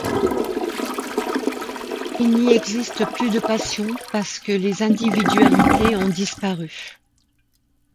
Il n’y existe plus de passions, parce que les individualités ont disparu.